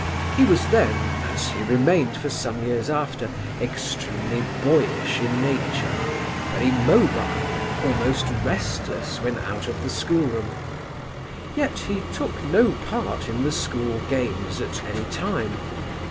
He was then, as he remained for some years after, extremely boyish in nature, very mobile, almost restless when out of the schoolroom. Yet he took no part in the school games at any time.